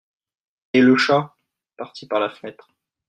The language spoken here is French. Et le chat ?- Parti par la fenêtre.